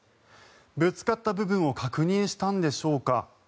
ぶつかった部分を確認したんでしょうか。